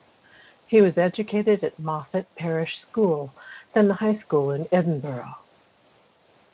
He was educated at Moffat Parish School then the High School in Edinburgh.